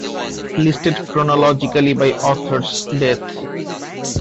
Listed chronologically, by author's death.